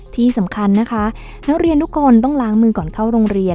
ที่สำคัญนะคะนักเรียนทุกคนต้องล้างมือก่อนเข้าโรงเรียน